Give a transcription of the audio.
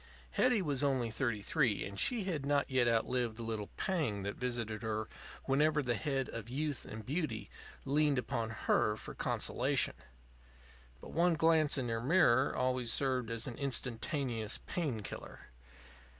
Hetty was only thirty three, and she had not yet outlived the little pang that visited her whenever the head of youth and beauty leaned upon her for consolation. But one glance in her mirror always served as an instantaneous pain killer.